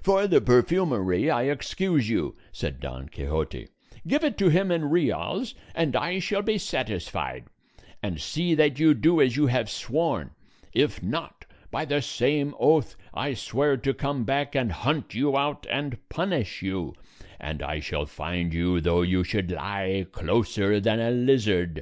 "For the perfumery I excuse you," said Don Quixote; "give it to him in reals, and I shall be satisfied; and see that you do as you have sworn; if not, by the same oath I swear to come back and hunt you out and punish you; and I shall find you though you should lie closer than a lizard.